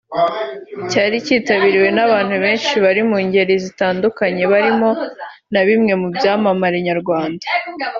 Cyari kitabiriwe n’abantu benshi bo mu ngeri zitandukanye barimo na bimwe mu byamamare nyarwanda